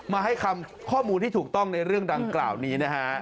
มาให้คำข้อมูลที่ถูกต้องในเรื่องดังกล่าวนี้นะฮะ